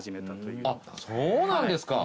そうなんですか！